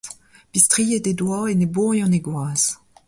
Pistriet he doa enebourion he gwaz.